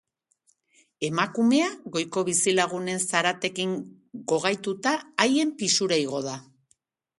Emakumea, goiko bizilagunen zaratekin gogaituta, haien pisura igo da.